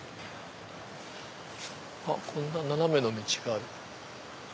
こんな斜めの道がある。